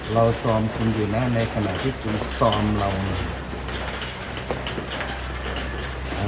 เราซอมคุณอยู่นะในขณะที่คุณซอมเรามัน